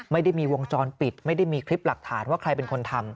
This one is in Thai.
ไม่ได้มีวงจรปิดไม่ได้มีคลิปหลักฐานว่าใครเป็นคนทำ